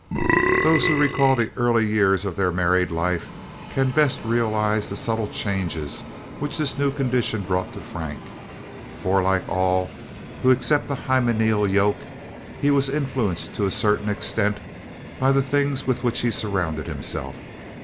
Those who recall the early years of their married life can best realize the subtle changes which this new condition brought to Frank, for, like all who accept the hymeneal yoke, he was influenced to a certain extent by the things with which he surrounded himself.